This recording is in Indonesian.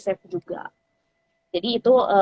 safe juga jadi itu